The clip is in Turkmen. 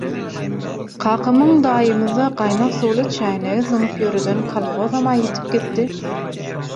Kakamyň daýymyza gaýnag suwly çäýnegi zyňyp ýöreden kolhozam-a ýitip gitdi.